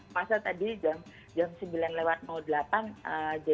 pasa tadi jam sembilan delapan jadi memang terasa agak lama ya